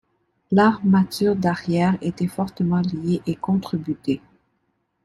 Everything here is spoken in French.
L’armature d’arrière était fortement liée et contrebutée.